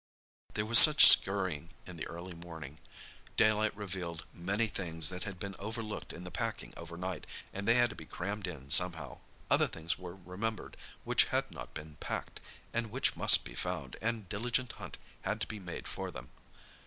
There was such scurrying in the early morning. Daylight revealed many things that had been overlooked in the packing overnight, and they had to be crammed in, somehow. Other things were remembered which had not been packed, and which must be found, and diligent hunt had to be made for them.